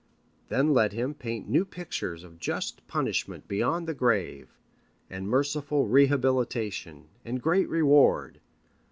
Then let him paint new pictures of just punishment beyond the grave, and merciful rehabilitation and great reward.